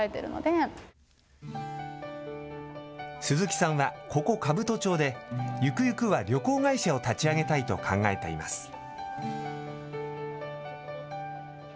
鈴木さんは、ここ兜町でゆくゆくは旅行会社を立ち上げたいと考えています。